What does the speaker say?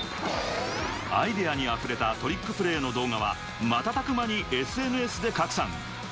アイデアにあふれたトリックプレーの動画は、瞬く間にＳＮＳで拡散。